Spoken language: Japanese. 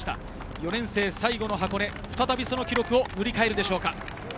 ４年生最後の箱根、再び、その記録を塗り替えるでしょうか？